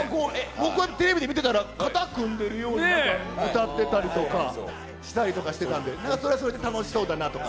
僕はテレビで見てたら、肩組んでるように歌ってたりとか、したりとかしてたんで、それはそれで楽しそうだなとか。